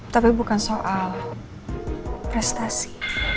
tapi bukan soal prestasi